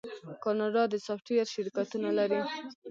کاناډا د سافټویر شرکتونه لري.